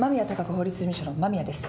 法律事務所の間宮です。